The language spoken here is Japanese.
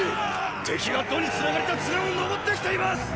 敵が弩につながれた綱を登って来ています！